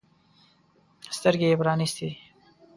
سترګې يې پرانیستې.